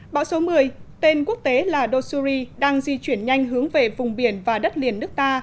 bão số một mươi tên quốc tế là dosuri đang di chuyển nhanh hướng về vùng biển và đất liền nước ta